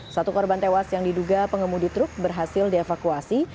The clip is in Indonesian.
satu korban tewas yang diduga pengemudi truk berhasil dievakuasi